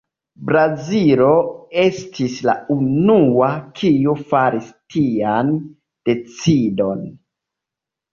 Brazilo estis la unua, kiu faris tian decidon.